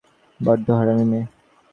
বড্ড হারামি মেয়ে।